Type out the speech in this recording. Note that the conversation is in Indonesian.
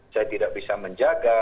saya tidak bisa menjaga